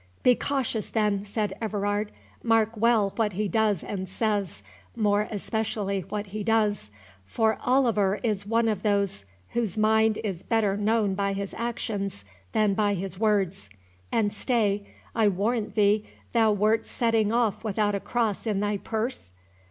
"Be cautious, then," said Everard, "mark well what he does and says—more especially what he does; for Oliver is one of those whose mind is better known by his actions than by his words; and stay—I warrant thee thou wert setting off without a cross in thy purse?"